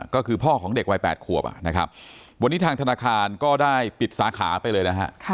ก็คือพ่อของเด็กวัย๘ขวบนะครับวันนี้ทางธนาคารก็ได้ปิดสาขาไปเลยนะฮะ